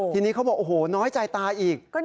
ทีนี้เขาบอกโอ้โหน้อยใจตาอีก